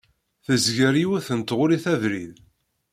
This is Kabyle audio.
Tezger yiwet n tɣulit abrid.